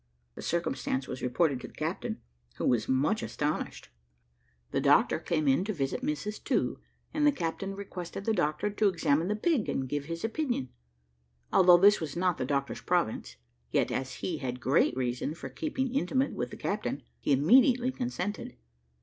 The circumstance was reported to the captain, who was much astonished. The doctor came in to visit Mrs To, and the captain requested the doctor to examine the pig, and give his opinion. Although this was not the doctor's province, yet, as he had great reason for keeping intimate with the captain, he immediately consented.